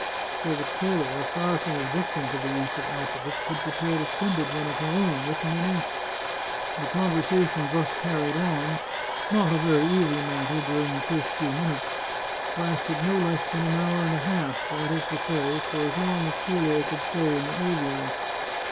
So that Clelia, far from objecting to the use of alphabets, had prepared a splendid one of her own, written in ink. The conversation thus carried on — not a very easy matter during the first few minutes — lasted no less than an hour and a half; that is to say, for as long as Clelia could stay in the aviary.